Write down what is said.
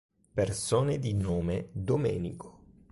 Persone di nome Domenico